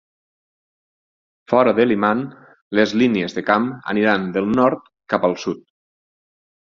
Fora de l'imant, les línies de camp aniran del nord cap al sud.